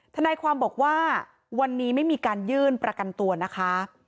ทนายความบอกว่าวันนี้ไม่มีการยื่นประกันตัวนะคะ